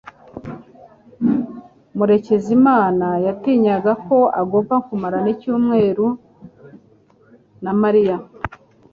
Murekezimana yatinyaga ko agomba kumarana ikindi cyumweru na Mariya.